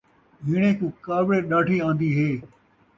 ہیݨے کوں کاوڑ ݙاڈھی آن٘دی ہے